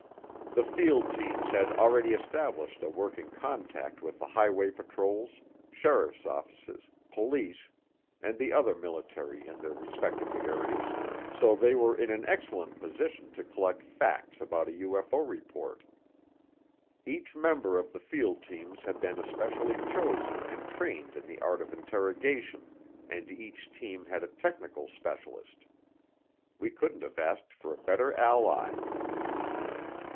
The field teams had already established a working contact with the highway patrols, sheriffs' offices, police, and the other military in their respective areas, so they were in an excellent position to collect facts about a UFO report. Each member of the field teams had been especially chosen and trained in the art of interrogation, and each team had a technical specialist. We couldn't have asked for a better ally.